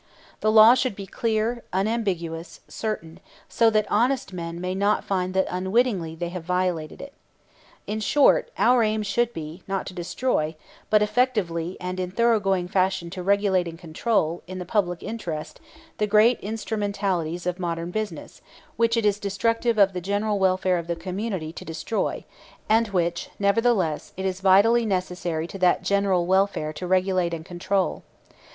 The law should be clear, unambiguous, certain, so that honest men may not find that unwittingly they have violated it. In short, our aim should be, not to destroy, but effectively and in thoroughgoing fashion to regulate and control, in the public interest, the great instrumentalities of modern business, which it is destructive of the general welfare of the community to destroy, and which nevertheless it is vitally necessary to that general welfare to regulate and control.